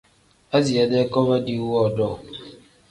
Aziya-dee koba diiwu woodoo.